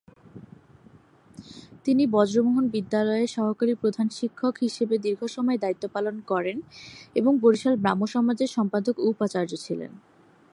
তিনি ব্রজমোহন বিদ্যালয়ের সহকারী প্রধান শিক্ষক হিসেবে দীর্ঘসময় দায়িত্ব পালন করেন এবং বরিশাল ব্রাহ্মসমাজের সম্পাদক ও উপাচার্য ছিলেন।